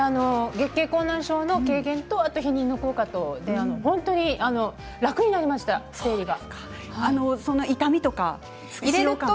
月経困難症の軽減と避妊の効果と本当に楽になりました、気持ちが。